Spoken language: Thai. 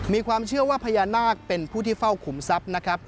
มีความเชื่อว่าพญานาคเป็นผู้ที่เฝ้าขุมทรัพย์นะครับ